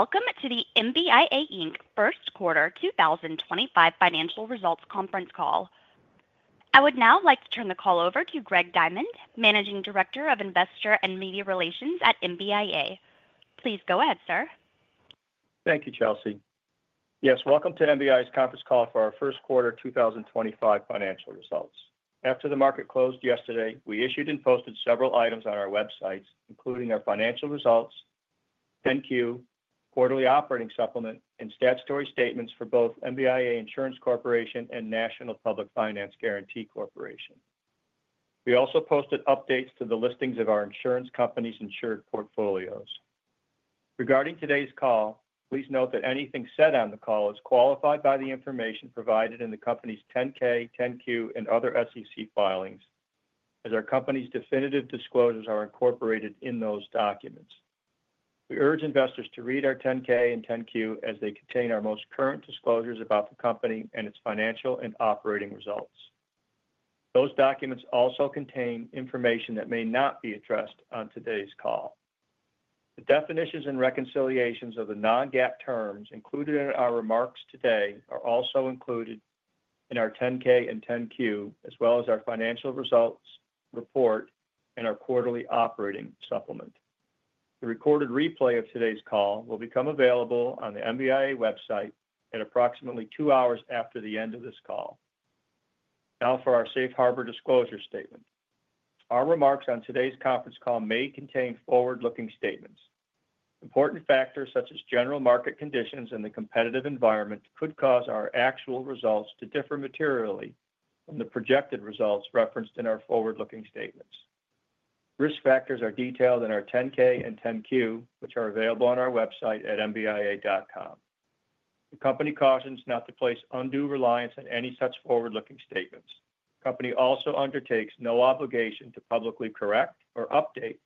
Welcome to the MBIA First Quarter 2025 Financial Results Conference Call. I would now like to turn the call over to Greg Diamond, Managing Director of Investor and Media Relations at MBIA. Please go ahead, sir. Thank you, Chelsea. Yes, welcome to MBIA's Conference Call for our First Quarter 2025 Financial Results. After the market closed yesterday, we issued and posted several items on our websites, including our financial results, 10-Q, quarterly operating supplement, and statutory statements for both MBIA Insurance Corporation and National Public Finance Guarantee Corporation. We also posted updates to the listings of our insurance companies' insured portfolios. Regarding today's call, please note that anything said on the call is qualified by the information provided in the company's 10-K, 10-Q, and other SEC filings, as our company's definitive disclosures are incorporated in those documents. We urge investors to read our 10-K and 10-Q as they contain our most current disclosures about the company and its financial and operating results. Those documents also contain information that may not be addressed on today's call. The definitions and reconciliations of the non-GAAP terms included in our remarks today are also included in our 10-K and 10-Q, as well as our financial results report and our quarterly operating supplement. The recorded replay of today's call will become available on the MBIA website at approximately two hours after the end of this call. Now for our Safe Harbor Disclosure Statement. Our remarks on today's conference call may contain forward-looking statements. Important factors such as general market conditions and the competitive environment could cause our actual results to differ materially from the projected results referenced in our forward-looking statements. Risk factors are detailed in our 10-K and 10-Q, which are available on our website at mbia.com. The company cautions not to place undue reliance on any such forward-looking statements. The company also undertakes no obligation to publicly correct or update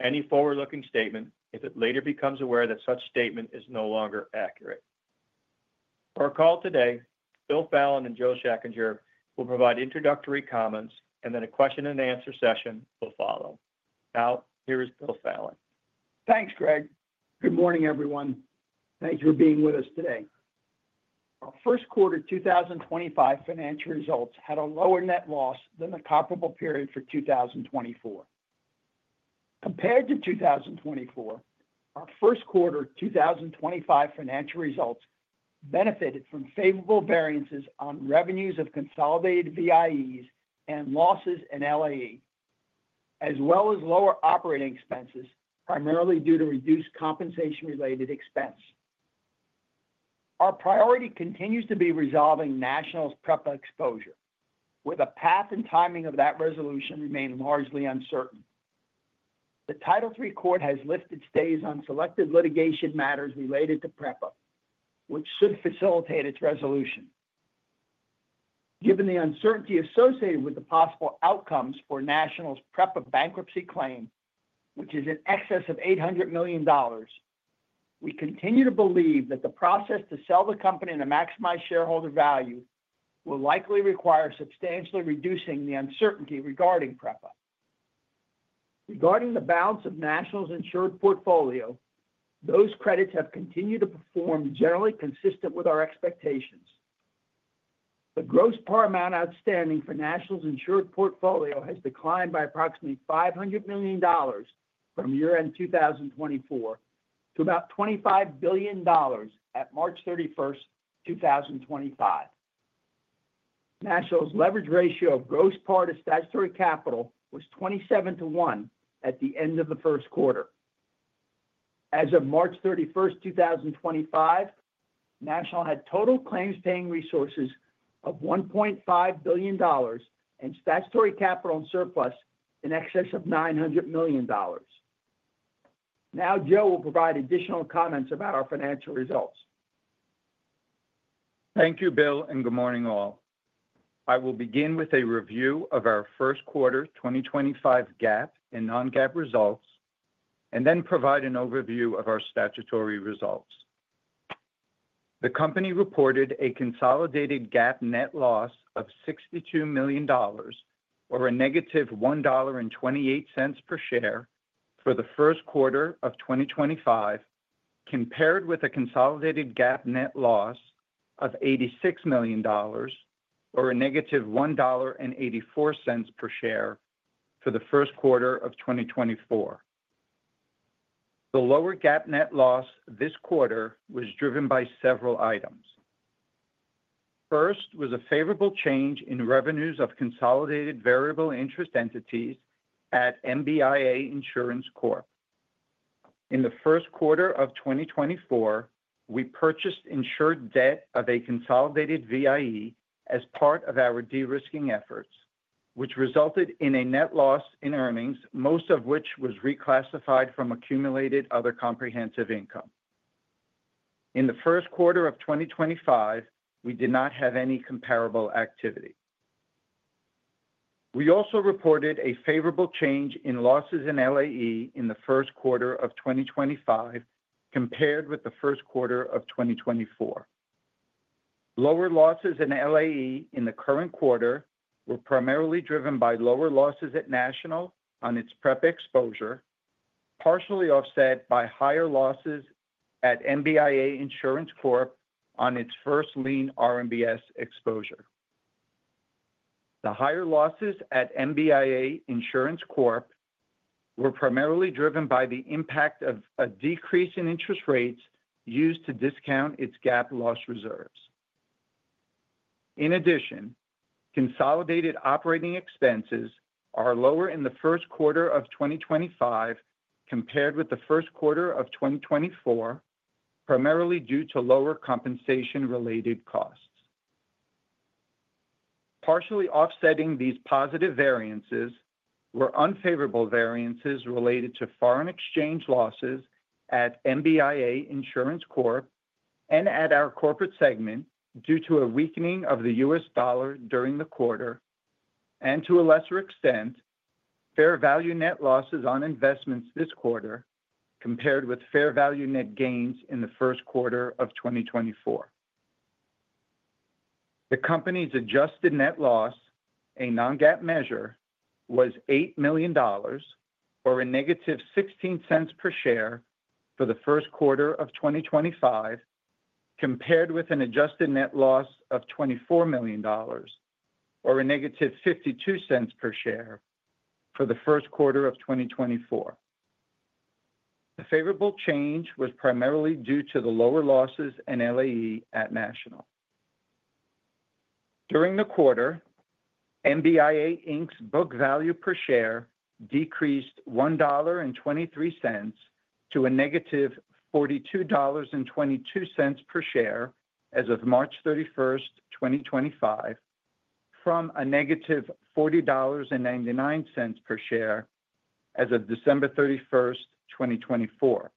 any forward-looking statement if it later becomes aware that such statement is no longer accurate. For our call today, Bill Fallon and Joe Schachinger will provide introductory comments, and then a question-and-answer session will follow. Now, here is Bill Fallon. Thanks, Greg. Good morning, everyone. Thank you for being with us today. Our first quarter 2025 financial results had a lower net loss than the comparable period for 2024. Compared to 2024, our first quarter 2025 financial results benefited from favorable variances on revenues of consolidated VIEs and losses in LAE, as well as lower operating expenses, primarily due to reduced compensation-related expense. Our priority continues to be resolving Nationals' PREPA exposure, with the path and timing of that resolution remaining largely uncertain. The Title III Court has lifted stays on selected litigation matters related to PREPA, which should facilitate its resolution. Given the uncertainty associated with the possible outcomes for Nationals' PREPA bankruptcy claim, which is in excess of $800 million, we continue to believe that the process to sell the company at a maximized shareholder value will likely require substantially reducing the uncertainty regarding PREPA. Regarding the balance of Nationals' insured portfolio, those credits have continued to perform generally consistent with our expectations. The gross par amount outstanding for Nationals' insured portfolio has declined by approximately $500 million from year-end 2024 to about $25 billion at March 31, 2025. Nationals' leverage ratio of gross par to statutory capital was 27 to 1 at the end of the first quarter. As of March 31, 2025, Nationals had total claims-paying resources of $1.5 billion and statutory capital and surplus in excess of $900 million. Now, Joe will provide additional comments about our financial results. Thank you, Bill, and good morning, all. I will begin with a review of our first quarter 2025 GAAP and non-GAAP results, and then provide an overview of our statutory results. The company reported a consolidated GAAP net loss of $62 million, or a -$1.28 per share for the first quarter of 2025, compared with a consolidated GAAP net loss of $86 million, or a -$1.84 per share for the first quarter of 2024. The lower GAAP net loss this quarter was driven by several items. First was a favorable change in revenues of consolidated variable interest entities at MBIA Insurance Corp. In the first quarter of 2024, we purchased insured debt of a consolidated VIE as part of our de-risking efforts, which resulted in a net loss in earnings, most of which was reclassified from accumulated other comprehensive income. In the first quarter of 2025, we did not have any comparable activity. We also reported a favorable change in losses in LAE in the first quarter of 2025 compared with the first quarter of 2024. Lower losses in LAE in the current quarter were primarily driven by lower losses at Nationals on its PREPA exposure, partially offset by higher losses at MBIA Insurance Corp on its first lien RMBS exposure. The higher losses at MBIA Insurance Corp were primarily driven by the impact of a decrease in interest rates used to discount its GAAP loss reserves. In addition, consolidated operating expenses are lower in the first quarter of 2025 compared with the first quarter of 2024, primarily due to lower compensation-related costs. Partially offsetting these positive variances were unfavorable variances related to foreign exchange losses at MBIA Insurance Corp and at our corporate segment due to a weakening of the U.S. dollar during the quarter, and to a lesser extent, fair value net losses on investments this quarter compared with fair value net gains in the first quarter of 2024. The company's adjusted net loss, a non-GAAP measure, was $8 million, or a -$0.16 per share for the first quarter of 2025, compared with an adjusted net loss of $24 million, or a -$0.52 per share for the first quarter of 2024. The favorable change was primarily due to the lower losses in LAE at Nationals. During the quarter, MBIA's book value per share decreased $1.23 to a -$42.22 per share as of March 31, 2025, from a n-$40.99 per share as of December 31, 2024.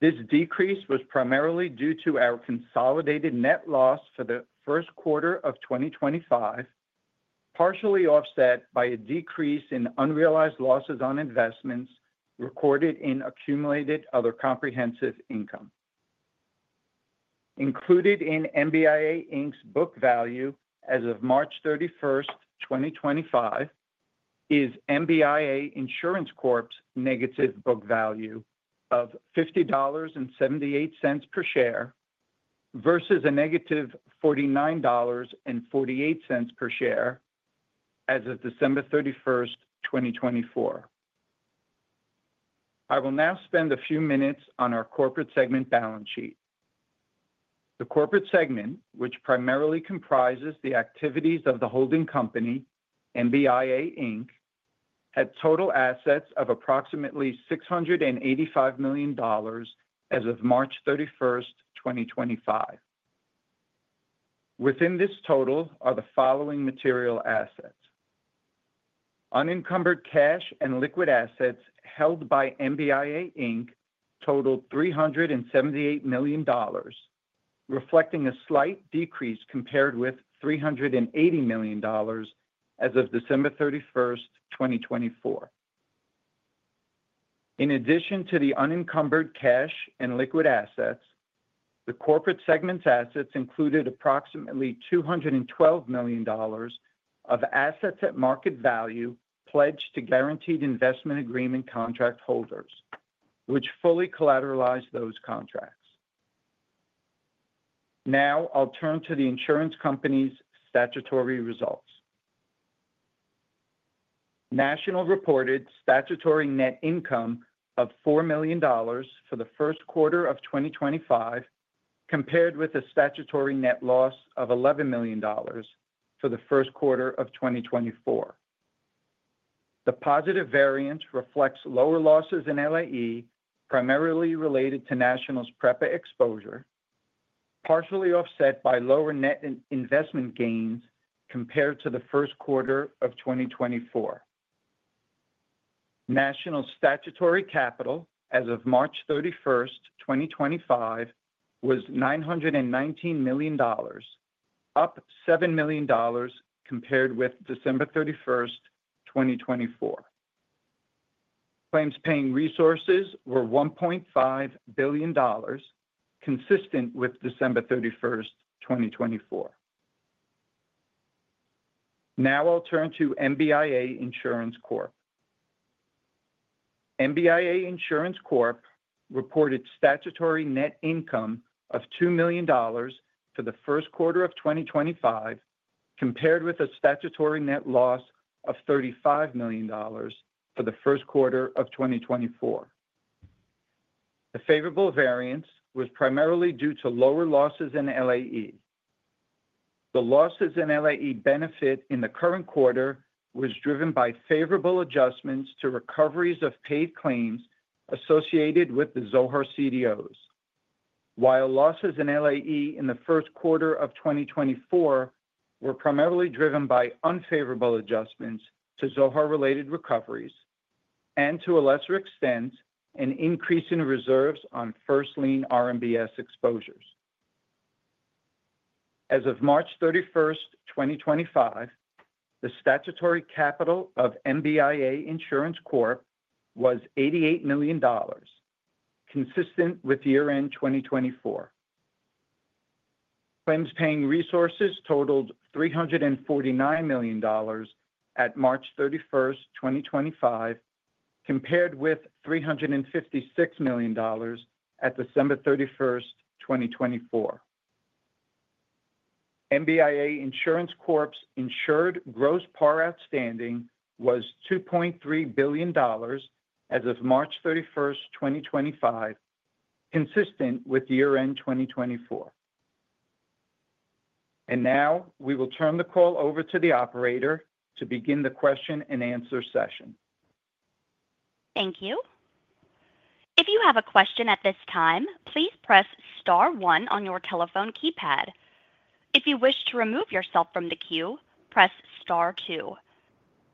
This decrease was primarily due to our consolidated net loss for the first quarter of 2025, partially offset by a decrease in unrealized losses on investments recorded in accumulated other comprehensive income. Included in MBIA Inc.'s book value as of March 31, 2025, is MBIA Insurance Corp's negative book value of $50.78 per share versus a -$49.48 per share as of December 31, 2024. I will now spend a few minutes on our corporate segment balance sheet. The corporate segment, which primarily comprises the activities of the holding company, MBIA Inc., had total assets of approximately $685 million as of March 31, 2025. Within this total are the following material assets. Unencumbered cash and liquid assets held by MBIA Inc. totaled $378 million, reflecting a slight decrease compared with $380 million as of December 31, 2024. In addition to the unencumbered cash and liquid assets, the corporate segment's assets included approximately $212 million of assets at market value pledged to guaranteed investment agreement contract holders, which fully collateralized those contracts. Now, I'll turn to the insurance company's statutory results. Nationals reported statutory net income of $4 million for the first quarter of 2025, compared with a statutory net loss of $11 million for the first quarter of 2024. The positive variance reflects lower losses in LAE, primarily related to Nationals' PREPA exposure, partially offset by lower net investment gains compared to the first quarter of 2024. Nationals' statutory capital as of March 31, 2025, was $919 million, up $7 million compared with December 31, 2024. Claims-paying resources were $1.5 billion, consistent with December 31, 2024. Now, I'll turn to MBIA Insurance Corp. MBIA Insurance Corp reported statutory net income of $2 million for the first quarter of 2025, compared with a statutory net loss of $35 million for the first quarter of 2024. The favorable variance was primarily due to lower losses in LAE. The losses in LAE benefit in the current quarter was driven by favorable adjustments to recoveries of paid claims associated with the Zohar CDOs, while losses in LAE in the first quarter of 2024 were primarily driven by unfavorable adjustments to Zohar-related recoveries and, to a lesser extent, an increase in reserves on first lien RMBS exposures. As of March 31, 2025, the statutory capital of MBIA Insurance Corp was $88 million, consistent with year-end 2024. Claims-paying resources totaled $349 million at March 31, 2025, compared with $356 million at December 31, 2024.MBIA Insurance Corp's insured gross par outstanding was $2.3 billion as of March 31, 2025, consistent with year-end 2024. We will now turn the call over to the operator to begin the question-and-answer session. Thank you. If you have a question at this time, please press star one on your telephone keypad. If you wish to remove yourself from the queue, press star two.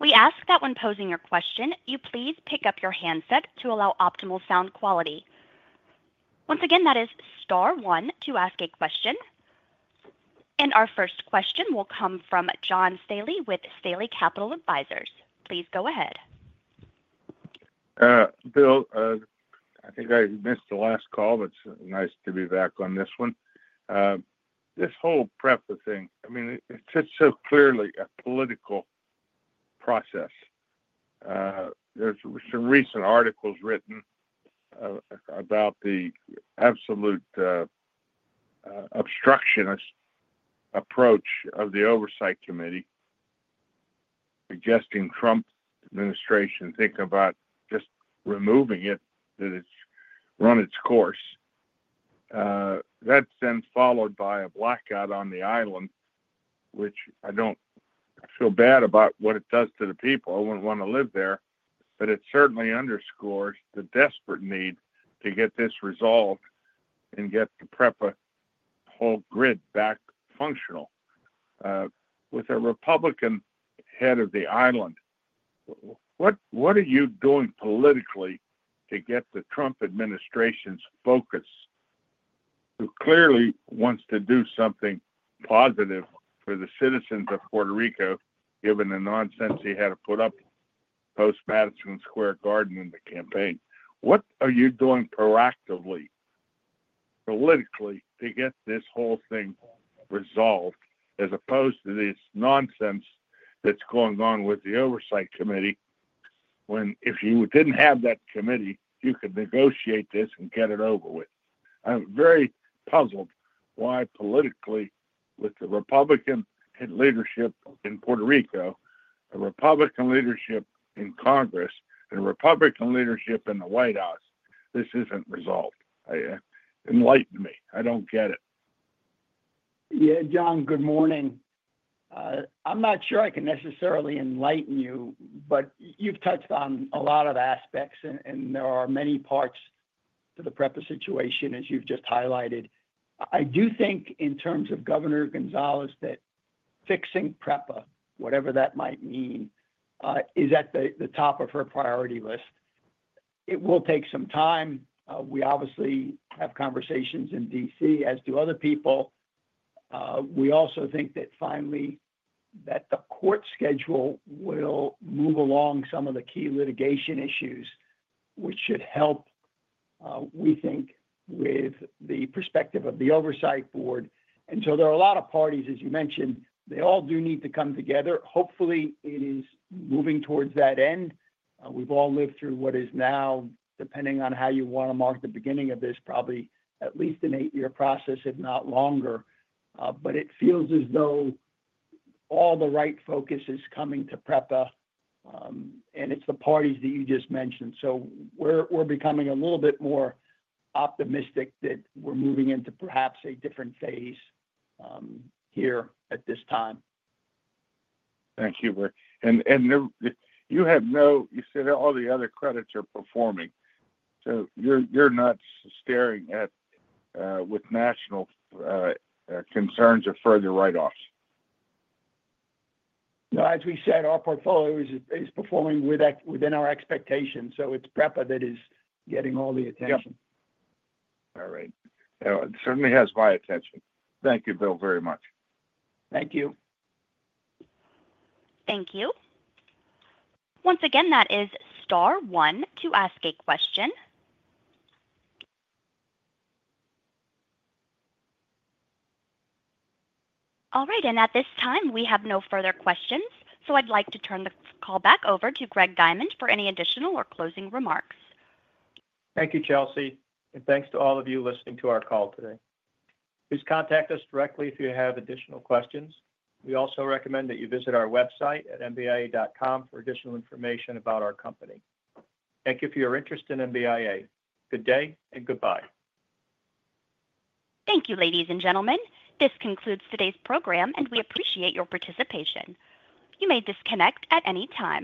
We ask that when posing your question, you please pick up your handset to allow optimal sound quality. Once again, that is star one to ask a question. Our first question will come from John Staley with Staley Capital Advisors. Please go ahead. Bill, I think I missed the last call, but it's nice to be back on this one. This whole PREPA thing, I mean, it's so clearly a political process. There are some recent articles written about the absolute obstructionist approach of the oversight committee, suggesting the Trump administration think about just removing it, that it's run its course. That's then followed by a blackout on the island, which I don't feel bad about what it does to the people. I wouldn't want to live there, but it certainly underscores the desperate need to get this resolved and get the PREPA whole grid back functional. With a Republican head of the island, what are you doing politically to get the Trump administration's focus who clearly wants to do something positive for the citizens of Puerto Rico, given the nonsense he had to put up post-Madison Square Garden in the campaign? What are you doing proactively, politically, to get this whole thing resolved as opposed to this nonsense that's going on with the oversight committee when, if you didn't have that committee, you could negotiate this and get it over with? I'm very puzzled why politically, with the Republican leadership in Puerto Rico, the Republican leadership in Congress, and the Republican leadership in the White House, this isn't resolved. Enlighten me. I don't get it. Yeah, John, good morning. I'm not sure I can necessarily enlighten you, but you've touched on a lot of aspects, and there are many parts to the PREPA situation, as you've just highlighted. I do think, in terms of Governor González, that fixing PREPA, whatever that might mean, is at the top of her priority list. It will take some time. We obviously have conversations in D.C., as do other people. We also think that finally the court schedule will move along some of the key litigation issues, which should help, we think, with the perspective of the oversight board. There are a lot of parties, as you mentioned. They all do need to come together. Hopefully, it is moving towards that end. We've all lived through what is now, depending on how you want to mark the beginning of this, probably at least an eight-year process, if not longer. It feels as though all the right focus is coming to PREPA, and it's the parties that you just mentioned. We are becoming a little bit more optimistic that we're moving into perhaps a different phase here at this time. Thank you, Bill. You have no—you said all the other credits are performing. So you're not staring at, with national concerns, a further write-off? No, as we said, our portfolio is performing within our expectations. So it's PREPA that is getting all the attention. All right. It certainly has my attention. Thank you, Bill, very much. Thank you. Thank you. Once again, that is star one to ask a question. All right. At this time, we have no further questions. I would like to turn the call back over to Greg Diamond for any additional or closing remarks. Thank you, Chelsea. Thank you to all of you listening to our call today. Please contact us directly if you have additional questions. We also recommend that you visit our website at mbia.com for additional information about our company. Thank you for your interest in MBIA. Good day and goodbye. Thank you, ladies and gentlemen. This concludes today's program, and we appreciate your participation. You may disconnect at any time.